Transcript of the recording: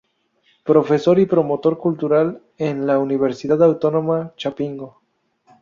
Profesor y promotor cultural en la Universidad Autónoma Chapingo.